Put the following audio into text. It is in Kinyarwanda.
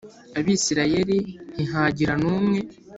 Abisirayeli ntihagira n umwe